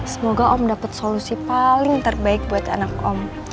semoga om dapat solusi paling terbaik buat anak om